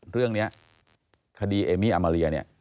เรื่องนี้คดีเอมมี่อามาเรียเนี่ย